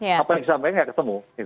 apa yang disampaikan nggak ketemu